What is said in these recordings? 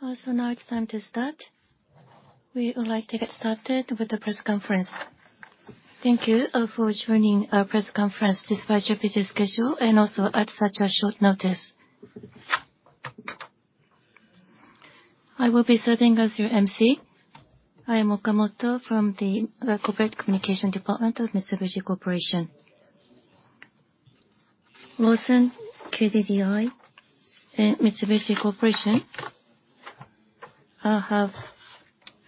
So now it's time to start. We would like to get started with the press conference. Thank you for joining our press conference despite your busy schedule, and also at such a short notice. I will be serving as your emcee. I am Okamoto from the Corporate Communication Department of Mitsubishi Corporation. Lawson, KDDI, and Mitsubishi Corporation have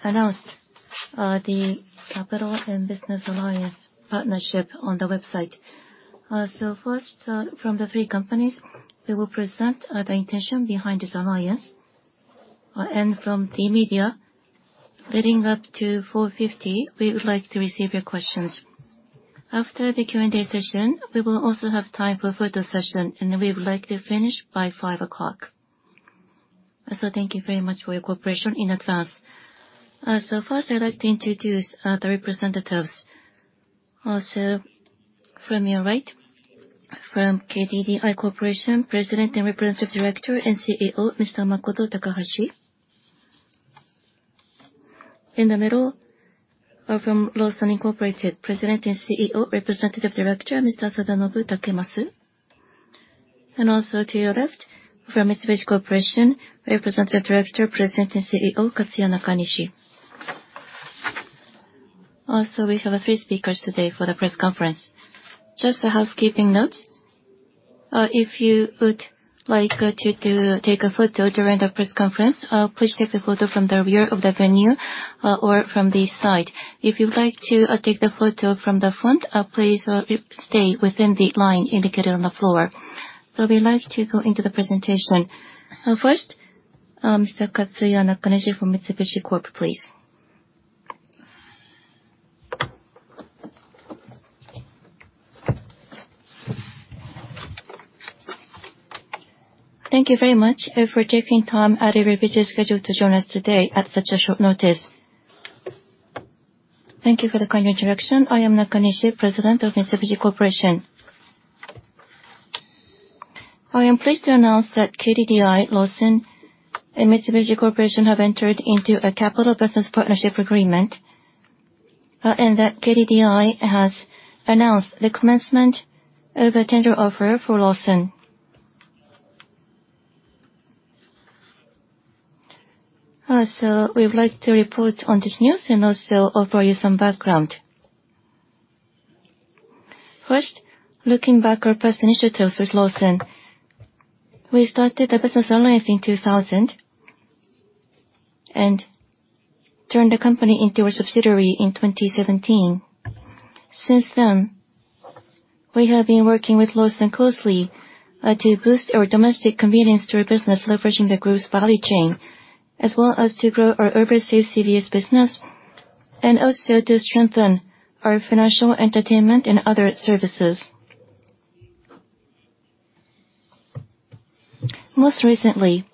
announced the capital and business alliance partnership on the website. So first, from the three companies, we will present the intention behind this alliance. And from the media, leading up to 4:50 P.M., we would like to receive your questions. After the Q&A session, we will also have time for a photo session, and we would like to finish by 5:00 P.M. So thank you very much for your cooperation in advance. So first, I'd like to introduce the representatives. Also, from your right, from KDDI Corporation, President and Representative Director and CEO, Mr. Makoto Takahashi. In the middle, from Lawson Incorporated, President and CEO, Representative Director, Mr. Sadanobu Takemasu. And also, to your left, from Mitsubishi Corporation, Representative Director, President, and CEO, Katsuya Nakanishi. Also, we have three speakers today for the press conference. Just a housekeeping note, if you would like to take a photo during the press conference, please take the photo from the rear of the venue or from the side. If you'd like to take the photo from the front, please stay within the line indicated on the floor. So we'd like to go into the presentation. First, Mr. Katsuya Nakanishi from Mitsubishi Corp, please. Thank you very much, for taking time out of your busy schedule to join us today at such a short notice. Thank you for the kind introduction. I am Nakanishi, President of Mitsubishi Corporation. I am pleased to announce that KDDI, Lawson, and Mitsubishi Corporation have entered into a capital business partnership agreement, and that KDDI has announced the commencement of the tender offer for Lawson. So we would like to report on this news, and also offer you some background. First, looking back our past initiatives with Lawson, we started a business alliance in 2000, and turned the company into a subsidiary in 2017. Since then, we have been working with Lawson closely to boost our domestic convenience store business, leveraging the group's value chain, as well as to grow our overseas CVS business, and also to strengthen our financial, entertainment, and other services. Most recently,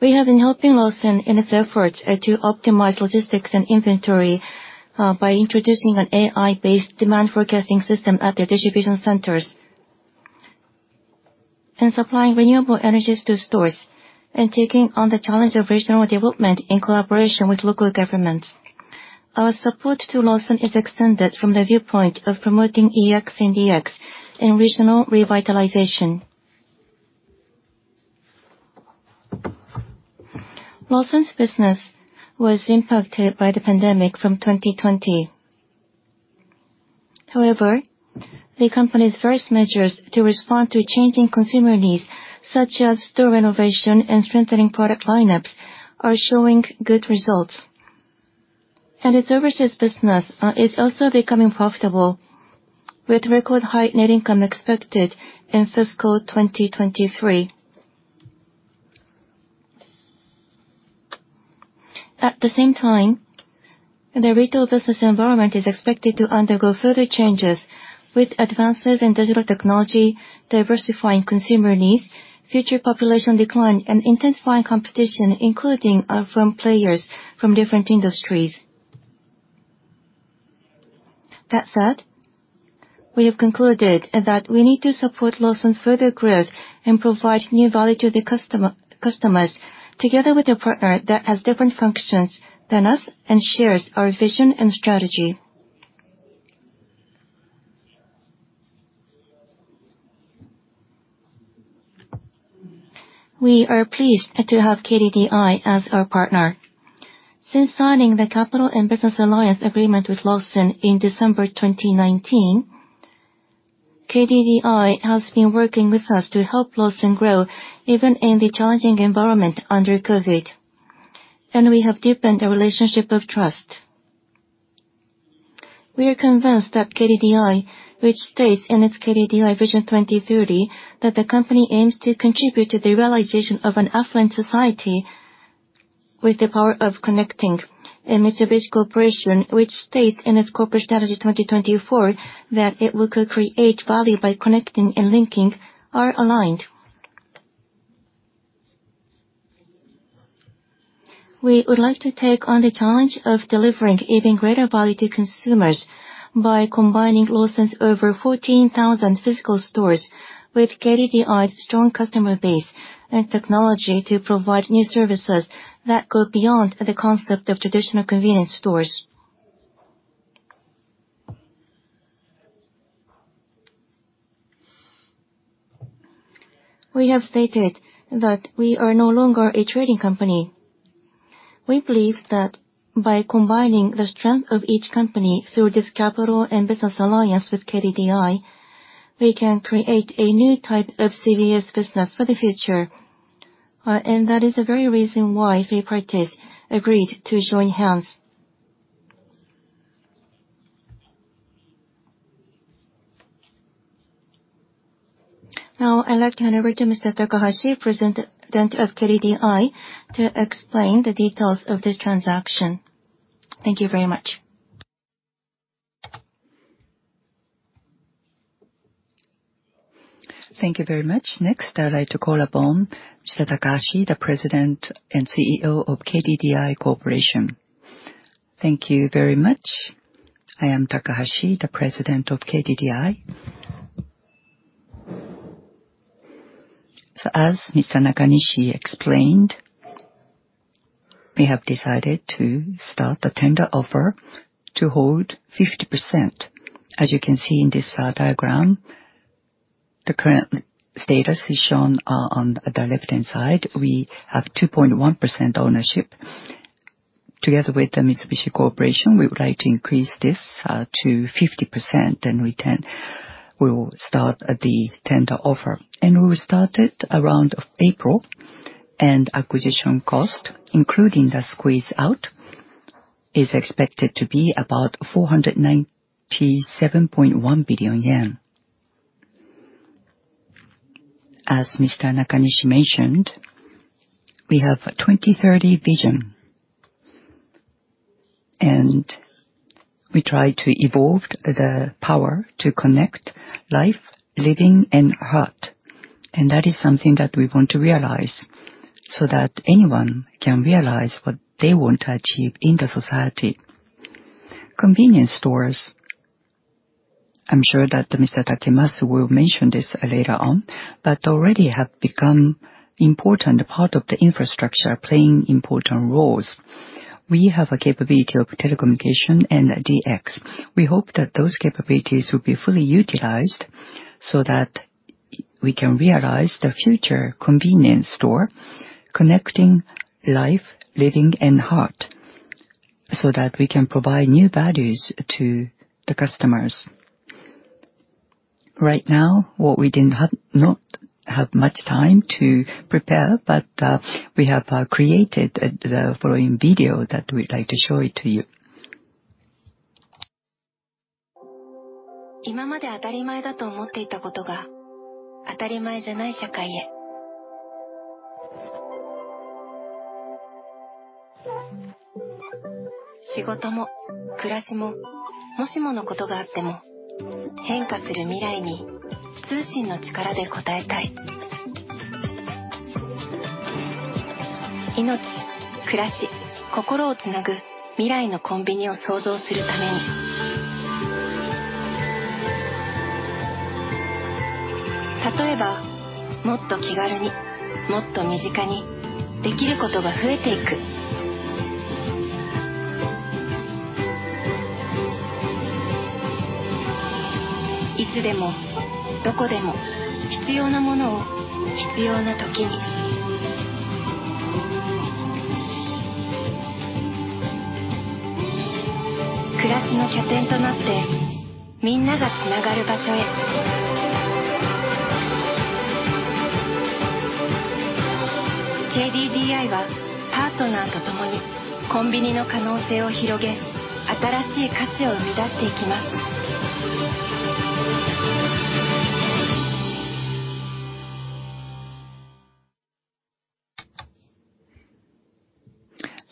we have been helping Lawson in its efforts to optimize logistics and inventory by introducing an AI-based demand forecasting system at their distribution centers, and supplying renewable energies to stores, and taking on the challenge of regional development in collaboration with local governments. Our support to Lawson is extended from the viewpoint of promoting EX and DX, and regional revitalization. Lawson's business was impacted by the pandemic from 2020. However, the company's first measures to respond to changing consumer needs, such as store renovation and strengthening product lineups, are showing good results. And its services business is also becoming profitable, with record high net income expected in fiscal 2023. At the same time, the retail business environment is expected to undergo further changes with advances in digital technology, diversifying consumer needs, future population decline, and intensifying competition, including from players from different industries. That said, we have concluded that we need to support Lawson's further growth and provide new value to the customer, customers, together with a partner that has different functions than us and shares our vision and strategy. We are pleased to have KDDI as our partner. Since signing the capital and business alliance agreement with Lawson in December 2019, KDDI has been working with us to help Lawson grow, even in the challenging environment under COVID, and we have deepened a relationship of trust. We are convinced that KDDI, which states in its KDDI VISION 2030, that the company aims to contribute to the realization of an affluent society with the power of connecting, and Mitsubishi Corporation, which states in its Corporate Strategy 2024, that it will co-create value by connecting and linking, are aligned. We would like to take on the challenge of delivering even greater value to consumers by combining Lawson's over 14,000 physical stores with KDDI's strong customer base and technology to provide new services that go beyond the concept of traditional convenience stores. We have stated that we are no longer a trading company. We believe that by combining the strength of each company through this capital and business alliance with KDDI, we can create a new type of CVS business for the future. And that is the very reason why we parties agreed to join hands. Now, I'd like to hand over to Mr. Takahashi, President of KDDI, to explain the details of this transaction. Thank you very much. Thank you very much. Next, I'd like to call upon Mr. Takahashi, the President and CEO of KDDI Corporation. Thank you very much. I am Takahashi, the President of KDDI. So as Mr. Nakanishi explained, we have decided to start the tender offer to hold 50%. As you can see in this diagram, the current status is shown on the left-hand side. We have 2.1% ownership. Together with the Mitsubishi Corporation, we would like to increase this to 50%, and we will start the tender offer. And we will start it around April, and acquisition cost, including the squeeze out, is expected to be about 497.1 billion yen. As Mr. Nakanishi mentioned, we have a 2030 vision. We try to evolve the power to connect life, living, and heart, and that is something that we want to realize, so that anyone can realize what they want to achieve in the society. Convenience stores, I'm sure that Mr. Takemasu will mention this later on, but already have become important part of the infrastructure, playing important roles. We have a capability of telecommunication and DX. We hope that those capabilities will be fully utilized so that we can realize the future convenience store, connecting life, living, and heart, so that we can provide new values to the customers. Right now, we didn't have much time to prepare, but we have created the following video that we'd like to show it to you.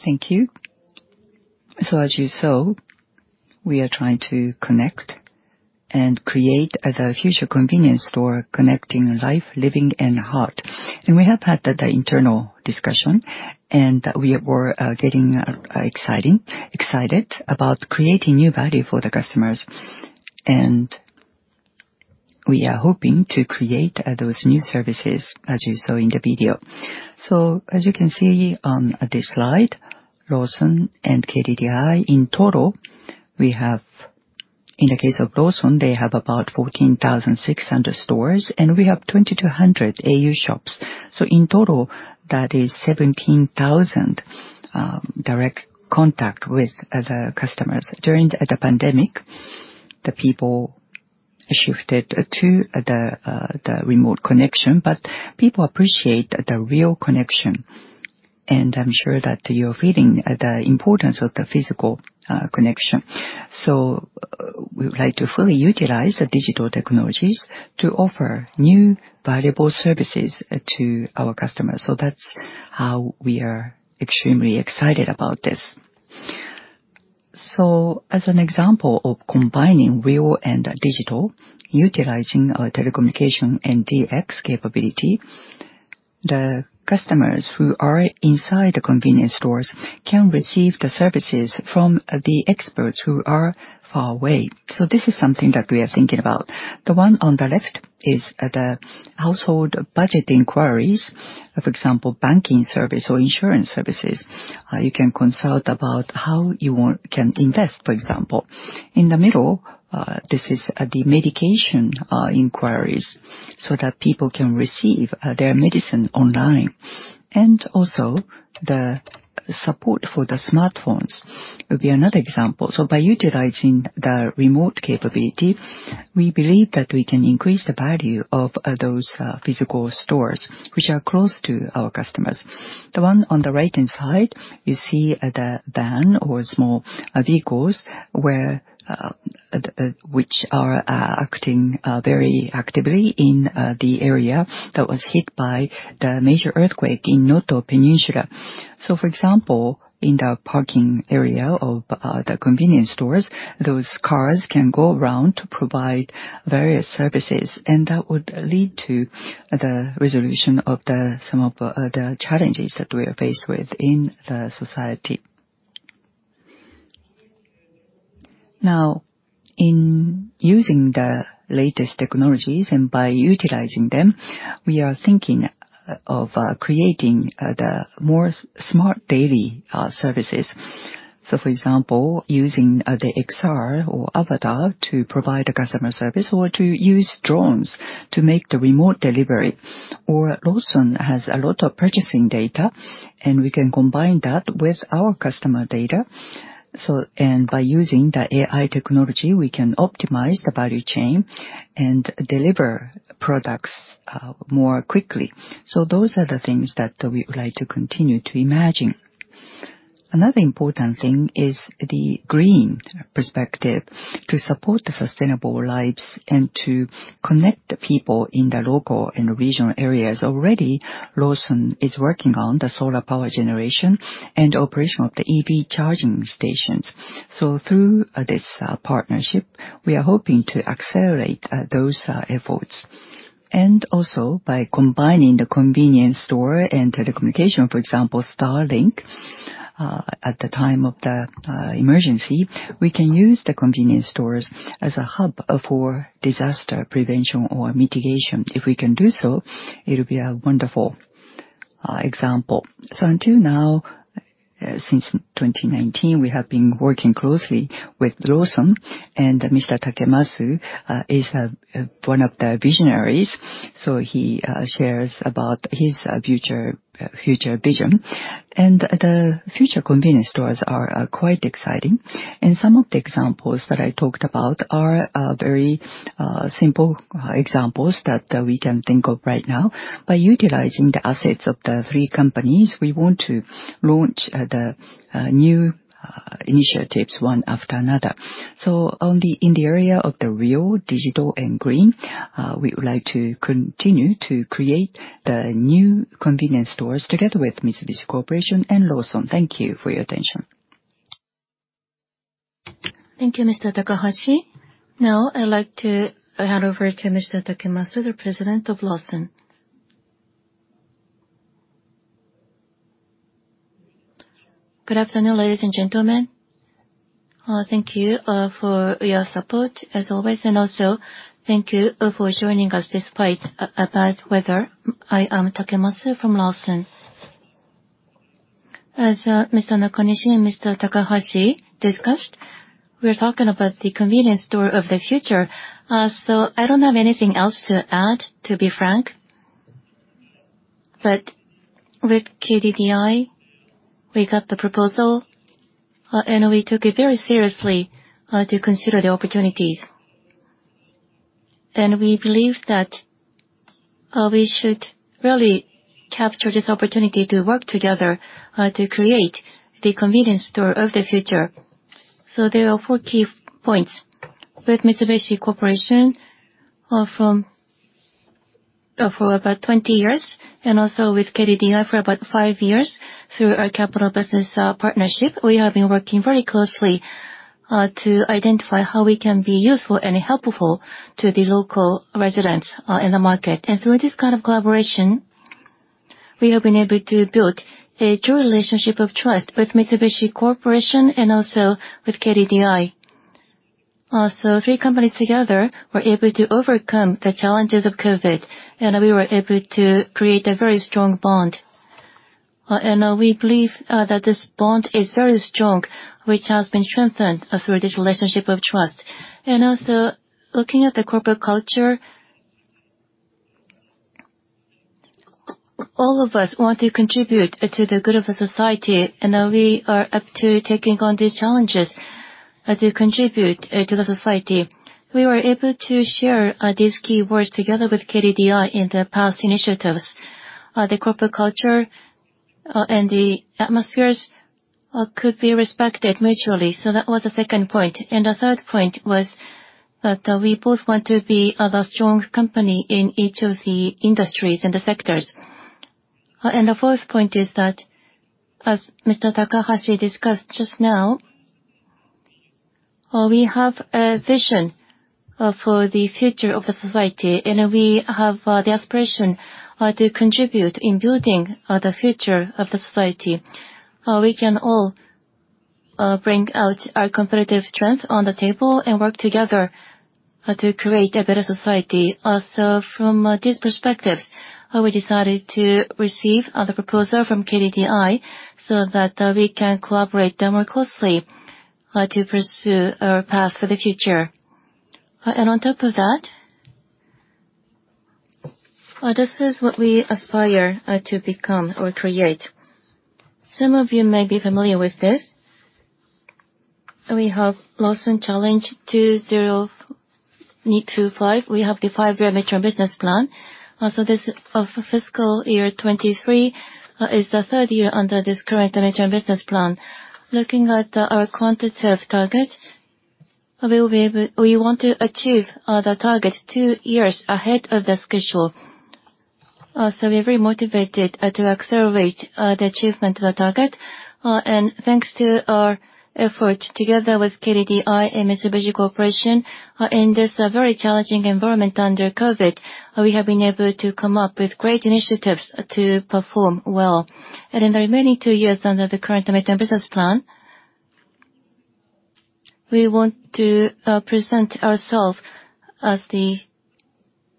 Thank you. So as you saw, we are trying to connect and create the future convenience store, connecting life, living, and heart. And we have had the internal discussion, and we were excited about creating new value for the customers. And we are hoping to create those new services, as you saw in the video. So as you can see on this slide, Lawson and KDDI, in total, we have, in the case of Lawson, they have about 14,600 stores, and we have 2,200 AU shops. So in total, that is 17,000 direct contact with the customers. During the pandemic, the people shifted to the remote connection, but people appreciate the real connection. And I'm sure that you're feeling the importance of the physical connection. So we would like to fully utilize the digital technologies to offer new valuable services to our customers. That's how we are extremely excited about this... As an example of combining real and digital, utilizing our telecommunication and DX capability, the customers who are inside the convenience stores can receive the services from the experts who are far away. This is something that we are thinking about. The one on the left is the household budget inquiries, for example, banking service or insurance services. You can consult about how you can invest, for example. In the middle, this is the medication inquiries, so that people can receive their medicine online. And also, the support for the smartphones would be another example. So by utilizing the remote capability, we believe that we can increase the value of those physical stores, which are close to our customers. The one on the right-hand side, you see the van or small vehicles, where which are acting very actively in the area that was hit by the major earthquake in Noto Peninsula. So, for example, in the parking area of the convenience stores, those cars can go around to provide various services, and that would lead to the resolution of some of the challenges that we are faced with in the society. Now, in using the latest technologies and by utilizing them, we are thinking of creating the more smart daily services. So, for example, using the XR or avatar to provide a customer service, or to use drones to make the remote delivery. Or Lawson has a lot of purchasing data, and we can combine that with our customer data. So and by using the AI technology, we can optimize the value chain and deliver products more quickly. So those are the things that we would like to continue to imagine. Another important thing is the green perspective. To support the sustainable lives and to connect the people in the local and regional areas, already, Lawson is working on the solar power generation and operation of the EV charging stations. So through this partnership, we are hoping to accelerate those efforts. And also, by combining the convenience store and telecommunications, for example, Starlink, at the time of the emergency, we can use the convenience stores as a hub for disaster prevention or mitigation. If we can do so, it'll be a wonderful example. So until now, since 2019, we have been working closely with Lawson, and Mr. Takemasu is one of the visionaries, so he shares about his future vision. And the future convenience stores are quite exciting, and some of the examples that I talked about are very simple examples that we can think of right now. By utilizing the assets of the three companies, we want to launch the new initiatives one after another. Only in the area of the real, digital, and green, we would like to continue to create the new convenience stores together with Mitsubishi Corporation and Lawson. Thank you for your attention. Thank you, Mr. Takahashi. Now, I'd like to hand over to Mr. Takemasu, the president of Lawson. Good afternoon, ladies and gentlemen. Thank you for your support, as always, and also thank you for joining us despite bad weather. I am Takemasu from Lawson. As Mr. Nakanishi and Mr. Takahashi discussed, we're talking about the convenience store of the future. So I don't have anything else to add, to be frank. But with KDDI, we got the proposal, and we took it very seriously to consider the opportunities. And we believe that we should really capture this opportunity to work together to create the convenience store of the future. So there are four key points. With Mitsubishi Corporation, for about 20 years, and also with KDDI for about 5 years, through our capital business partnership, we have been working very closely to identify how we can be useful and helpful to the local residents in the market. And through this kind of collaboration, we have been able to build a true relationship of trust with Mitsubishi Corporation and also with KDDI. So 3 companies together were able to overcome the challenges of COVID, and we were able to create a very strong bond. And, we believe that this bond is very strong, which has been strengthened through this relationship of trust. And also, looking at the corporate culture, all of us want to contribute to the good of the society, and we are up to taking on these challenges to contribute to the society. We were able to share these key words together with KDDI in the past initiatives. The corporate culture and the atmospheres could be respected mutually. So that was the second point. And the third point was that we both want to be the strong company in each of the industries and the sectors. And the fourth point is that, as Mr. Takahashi discussed just now, we have a vision for the future of the society, and we have the aspiration to contribute in building the future of the society. We can all bring out our competitive strength on the table and work together to create a better society. Also, from these perspectives, we decided to receive the proposal from KDDI so that we can collaborate them more closely to pursue our path for the future. And on top of that, this is what we aspire to become or create. Some of you may be familiar with this. We have Lawson Challenge 2025. We have the five-year midterm business plan. Also, this fiscal year 2023 is the third year under this current midterm business plan. Looking at our quantitative targets, we want to achieve the target two years ahead of the schedule. So we're very motivated to accelerate the achievement of the target. Thanks to our effort together with KDDI and Mitsubishi Corporation, in this very challenging environment under COVID, we have been able to come up with great initiatives to perform well. In the remaining two years under the current midterm business plan, we want to present ourselves as the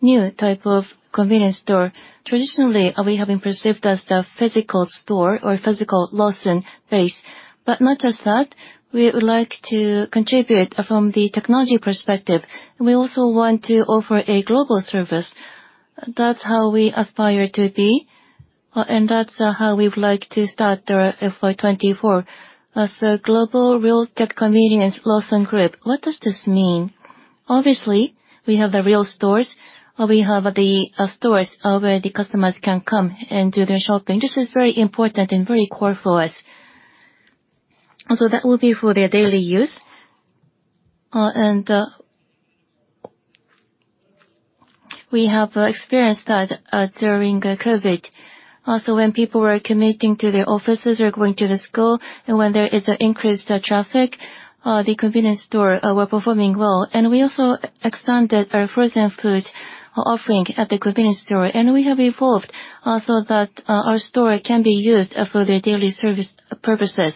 new type of convenience store. Traditionally, we have been perceived as the physical store or physical Lawson base, but not just that, we would like to contribute from the technology perspective. We also want to offer a global service. That's how we aspire to be, and that's how we would like to start our FY 2024. As a Global Real Tech Convenience Lawson Group, what does this mean? Obviously, we have the real stores, or we have the stores where the customers can come and do their shopping. This is very important and very core for us. Also, that will be for their daily use. And we have experienced that during COVID. Also, when people were commuting to their offices or going to the school, and when there is an increased traffic, the convenience store were performing well. And we also extended our frozen food offering at the convenience store, and we have evolved so that our store can be used for their daily service purposes.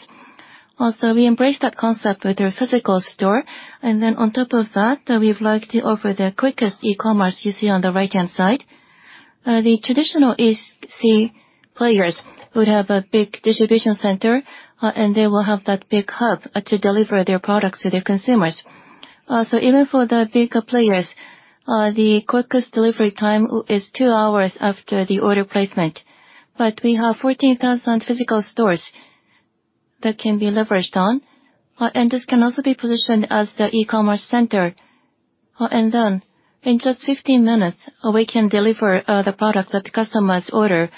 Also, we embrace that concept with our physical store, and then on top of that, we would like to offer the quickest e-commerce you see on the right-hand side. The traditional EC players would have a big distribution center, and they will have that big hub to deliver their products to their consumers. So even for the bigger players, the quickest delivery time is two hours after the order placement. But we have 14,000 physical stores that can be leveraged on, and this can also be positioned as the e-commerce center. And then in just 15 minutes, we can deliver the product that the customers order,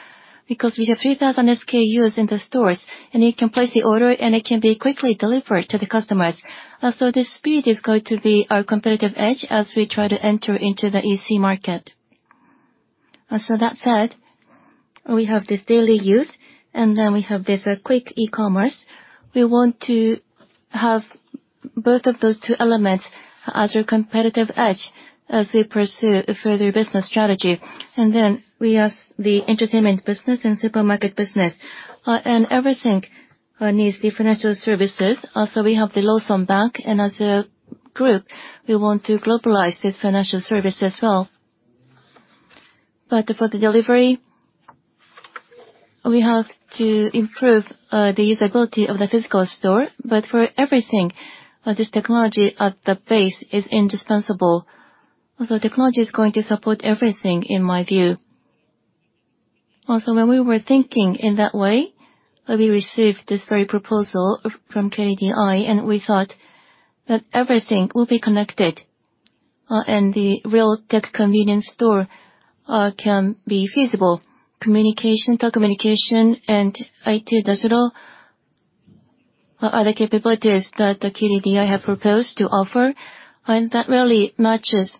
because we have 3,000 SKUs in the stores, and you can place the order, and it can be quickly delivered to the customers. So the speed is going to be our competitive edge as we try to enter into the EC market. So that said, we have this daily use, and then we have this quick e-commerce. We want to have both of those two elements as our competitive edge as we pursue a further business strategy. And then we have the entertainment business and supermarket business, and everything needs the financial services. Also, we have the Lawson Bank, and as a group, we want to globalize this financial service as well. But for the delivery, we have to improve the usability of the physical store. But for everything, this technology at the base is indispensable. Also, technology is going to support everything, in my view. Also, when we were thinking in that way, we received this very proposal from KDDI, and we thought that everything will be connected, and the Real Tech convenience store can be feasible. Communication, telecommunication, and IT, those are all other capabilities that the KDDI have proposed to offer, and that really matches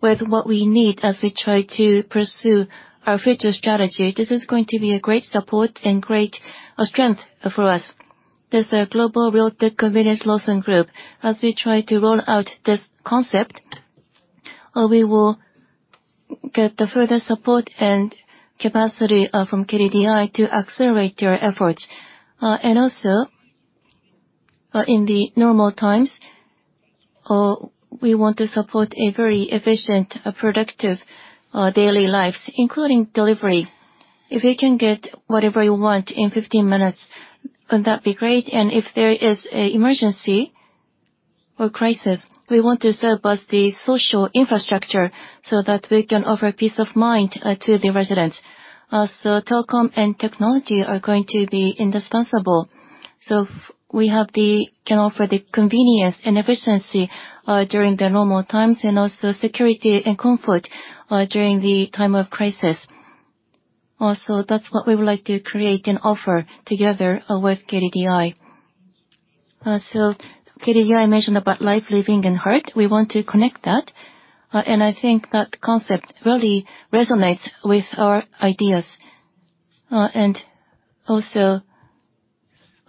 with what we need as we try to pursue our future strategy. This is going to be a great support and great strength for us. There's a global Real Tech Convenience Lawson Group. As we try to roll out this concept, we will get the further support and capacity from KDDI to accelerate their efforts. And also, in the normal times, we want to support a very efficient, productive daily lives, including delivery. If you can get whatever you want in 15 minutes, wouldn't that be great? And if there is an emergency or crisis, we want to serve as the social infrastructure so that we can offer peace of mind to the residents. So telecom and technology are going to be indispensable. So we can offer the convenience and efficiency during the normal times, and also security and comfort during the time of crisis. Also, that's what we would like to create and offer together with KDDI. So KDDI mentioned about life, living, and heart. We want to connect that, and I think that concept really resonates with our ideas. And also,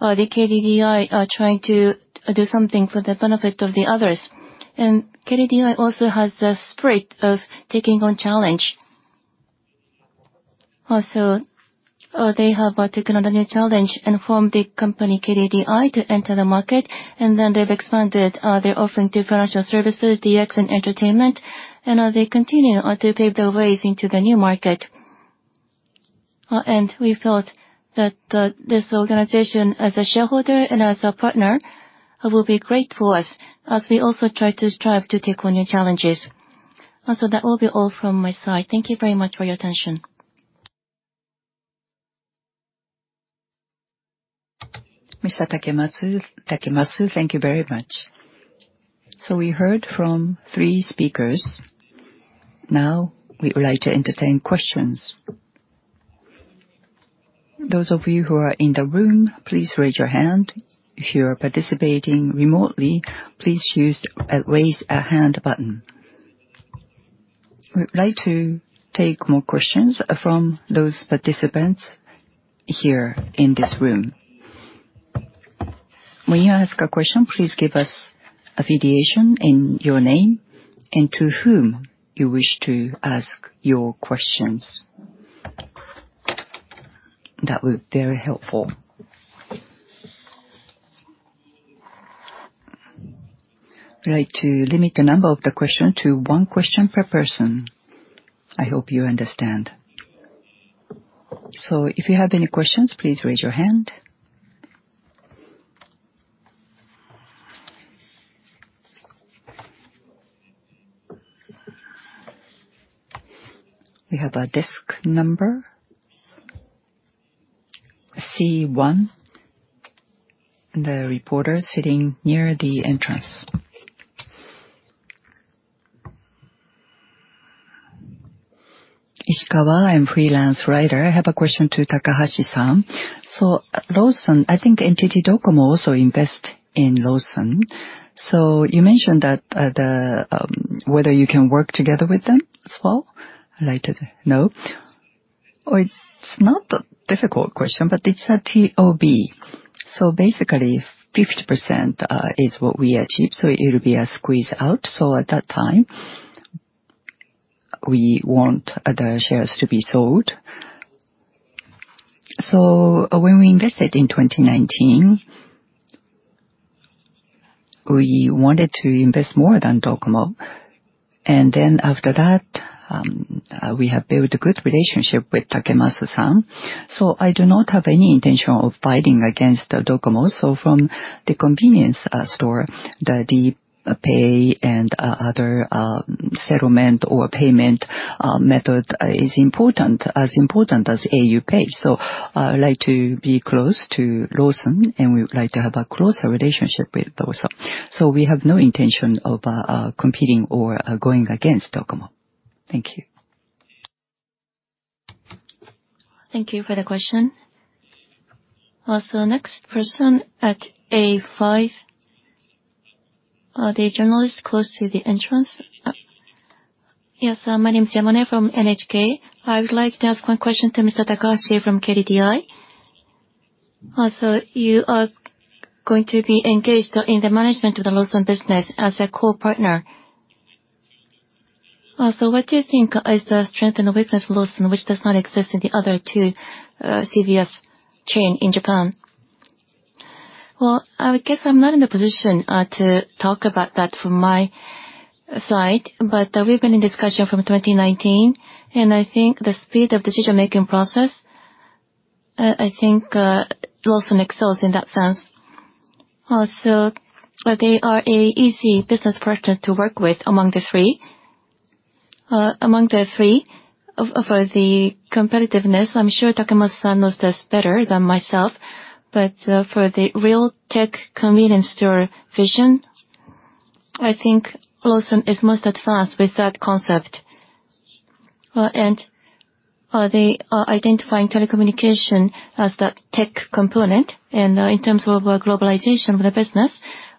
the KDDI are trying to do something for the benefit of the others. And KDDI also has the spirit of taking on challenge. Also, they have taken on a new challenge and formed the company, KDDI, to enter the market, and then they've expanded. They're offering differential services, DX, and entertainment, and they continue to pave their ways into the new market. And we felt that this organization, as a shareholder and as a partner, will be great for us, as we also try to strive to take on new challenges. Also, that will be all from my side. Thank you very much for your attention. Mr. Takemasu, thank you very much. So we heard from three speakers. Now, we would like to entertain questions. Those of you who are in the room, please raise your hand. If you are participating remotely, please use Raise A Hand button. We would like to take more questions from those participants here in this room. When you ask a question, please give us affiliation and your name, and to whom you wish to ask your questions. That would be very helpful. We'd like to limit the number of the question to one question per person. I hope you understand. So if you have any questions, please raise your hand. We have a desk number C-1, the reporter sitting near the entrance. Ishikawa. I'm freelance writer. I have a question to Takahashi-san. So, Lawson, I think NTT Docomo also invest in Lawson. So you mentioned that whether you can work together with them as well? I'd like to know. Oh, it's not a difficult question, but it's a TOB. So basically, 50% is what we achieved, so it'll be a squeeze out. So at that time, we want other shares to be sold. So when we invested in 2019, we wanted to invest more than Docomo. And then after that, we have built a good relationship with Takemasu-san. So I do not have any intention of fighting against Docomo. So from the convenience store, the pay and other settlement or payment method is important, as important as au PAY. So I would like to be close to Lawson, and we would like to have a closer relationship with Lawson. So we have no intention of competing or going against Docomo. Thank you. Thank you for the question. Also, next person at A-Five, the journalist close to the entrance. Yes, my name is Yamane from NHK. I would like to ask one question to Mr. Takahashi from KDDI. Also, you are going to be engaged in the management of the Lawson business as a core partner. So what do you think is the strength and the weakness of Lawson, which does not exist in the other two CVS chains in Japan? Well, I would guess I'm not in a position to talk about that from my side, but, we've been in discussion from 2019, and I think the speed of decision-making process, I think, Lawson excels in that sense. Also, they are an easy business partner to work with among the three. Among the three, the competitiveness, I'm sure Takemasu-san knows this better than myself, but for the Real Tech Convenience store vision, I think Lawson is most advanced with that concept. They are identifying telecommunications as that tech component. In terms of globalization of the business,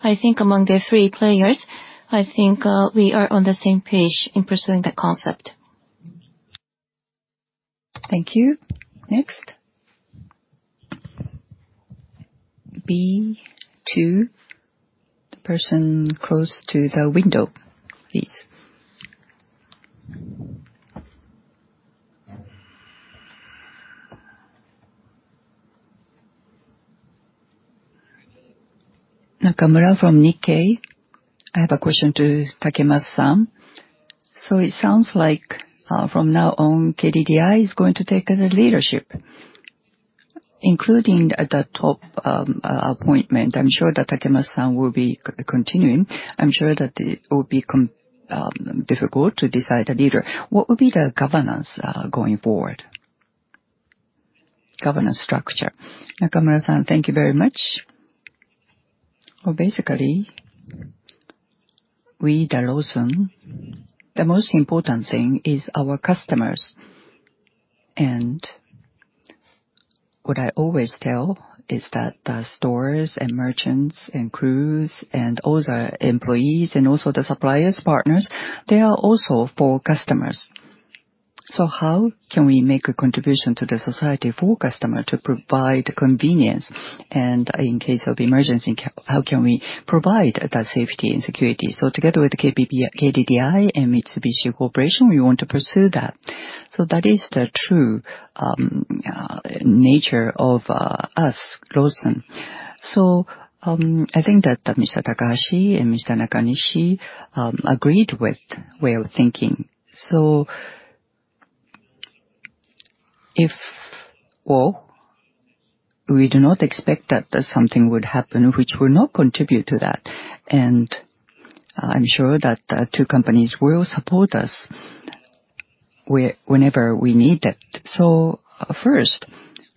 I think among the three players, I think we are on the same page in pursuing that concept. Thank you. Next. B-Two, the person close to the window, please. Nakamura from Nikkei. I have a question to Takemasu-san. So it sounds like, from now on, KDDI is going to take the leadership, including at the top, appointment. I'm sure that Takemasu-san will be continuing. I'm sure that it will be difficult to decide a leader. What will be the governance, going forward? Governance structure. Nakamura-san, thank you very much. Well, basically. We, the Lawson, the most important thing is our customers. And what I always tell is that the stores, and merchants, and crews, and all the employees, and also the suppliers, partners, they are also for customers. So how can we make a contribution to the society for customer to provide convenience? And in case of emergency, how can we provide the safety and security? So together with the KPP, KDDI and Mitsubishi Corporation, we want to pursue that. So that is the true nature of us, Lawson. So I think that Mr. Takahashi and Mr. Nakanishi agreed with way of thinking. Well, we do not expect that something would happen which will not contribute to that, and I'm sure that the two companies will support us whenever we need it. So first,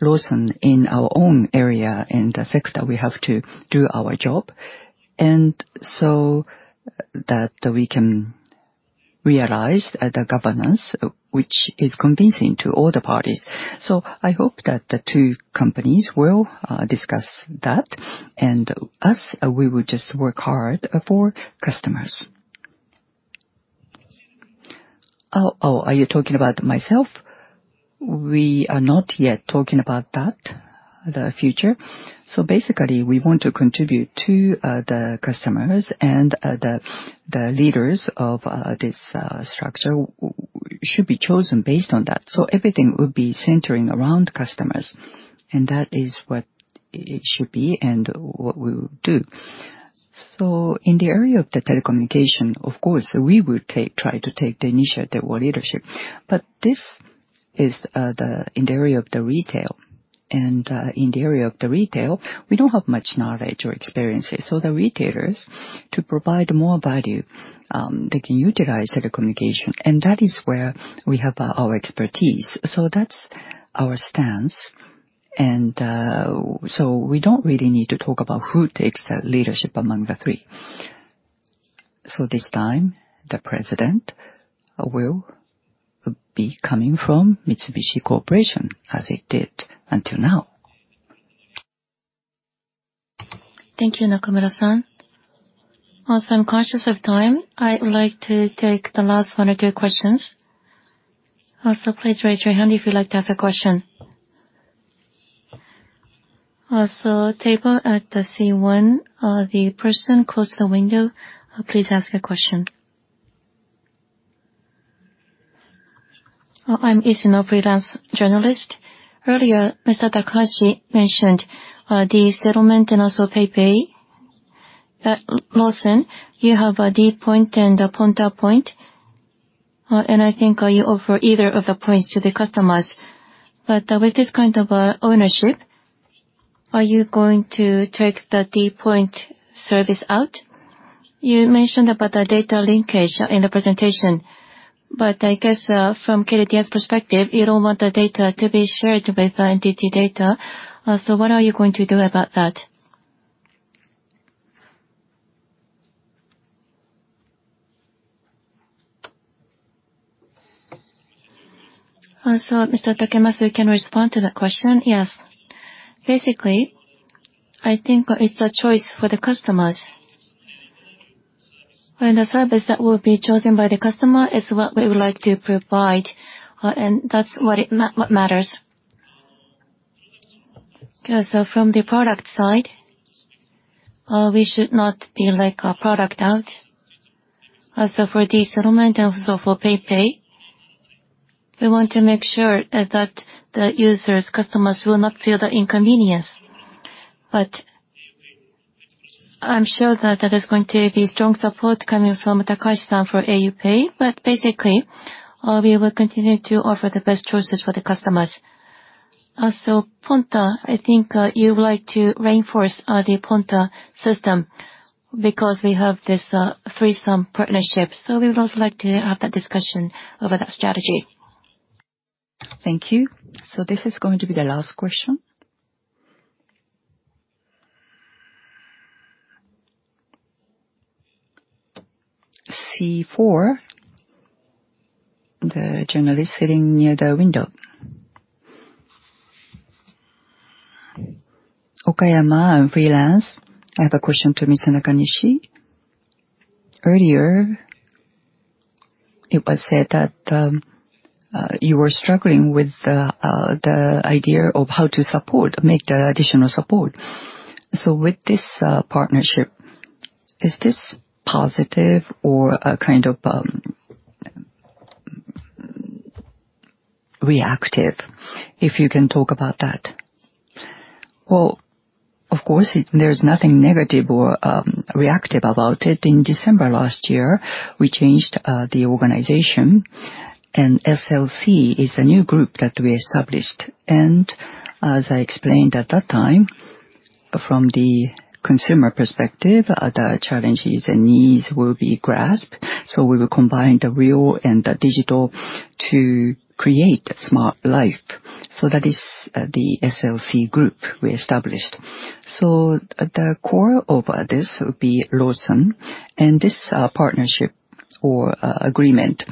Lawson, in our own area, in the sector, we have to do our job, and so that we can realize the governance, which is convincing to all the parties. So I hope that the two companies will discuss that, and us, we will just work hard for customers. Oh, oh, are you talking about myself? We are not yet talking about that, the future. So basically, we want to contribute to the customers, and the leaders of this structure should be chosen based on that. So everything would be centering around customers, and that is what it should be and what we will do. So in the area of the telecommunication, of course, we will try to take the initiative or leadership. But this is in the area of the retail, and in the area of the retail, we don't have much knowledge or experiences. So the retailers, to provide more value, they can utilize telecommunication, and that is where we have our expertise. So that's our stance, and so we don't really need to talk about who takes the leadership among the three. So this time, the president will be coming from Mitsubishi Corporation, as it did until now. Thank you, Nakamura-san. Also, I'm conscious of time. I would like to take the last one or two questions. Also, please raise your hand if you'd like to ask a question. Also, table at the C-1, the person closest to the window, please ask a question. I'm Ishino, freelance journalist. Earlier, Mr. Takahashi mentioned the settlement and also PayPay. At Lawson, you have a d POINT and a Ponta point, and I think you offer either of the points to the customers. But with this kind of ownership, are you going to take the d POINT service out? You mentioned about the data linkage in the presentation, but I guess from KDDI's perspective, you don't want the data to be shared with the NTT data. So what are you going to do about that? So Mr. Takemasu can respond to that question? Yes. Basically, I think it's a choice for the customers. When the service that will be chosen by the customer is what we would like to provide, and that's what matters. So from the product side, we should not be like a product out. Also, for the settlement and also for PayPay, we want to make sure that the users, customers will not feel the inconvenience. But I'm sure that there is going to be strong support coming from Takahashi-san for au PAY, but basically, we will continue to offer the best choices for the customers. Also, Ponta, I think, you would like to reinforce the Ponta system because we have this threesome partnership, so we would also like to have that discussion over that strategy. Thank you. So this is going to be the last question. C-four, the journalist sitting near the window. Okayama, I'm freelance. I have a question to Mr. Nakanishi. Earlier, it was said that you were struggling with the idea of how to support, make the additional support. So with this partnership, is this positive or a kind of reactive? If you can talk about that. Well, of course, it, there's nothing negative or reactive about it. In December last year, we changed the organization, and SLC is a new group that we established. And as I explained at that time, from the consumer perspective, the challenges and needs will be grasped, so we will combine the real and the digital to create a smart life. So that is the SLC group we established. So at the core of this would be Lawson, and this partnership or agreement,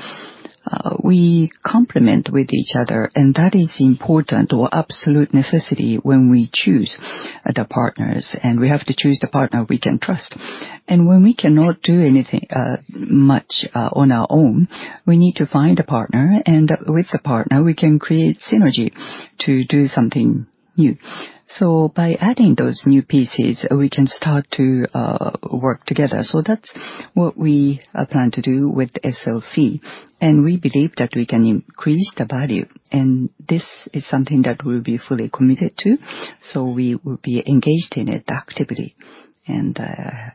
we complement with each other, and that is important or absolute necessity when we choose the partners, and we have to choose the partner we can trust. When we cannot do anything much on our own, we need to find a partner, and with the partner, we can create synergy to do something new. So by adding those new pieces, we can start to work together. So that's what we are planning to do with SLC, and we believe that we can increase the value, and this is something that we'll be fully committed to, so we will be engaged in it actively and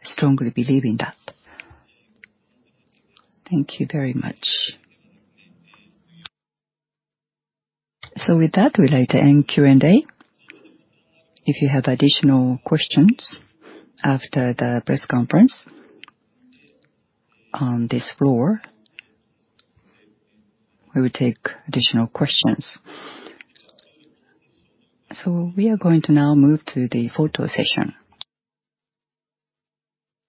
strongly believe in that. Thank you very much. So with that, we'd like to end Q&A. If you have additional questions after the press conference on this floor, we will take additional questions. So we are going to now move to the photo session.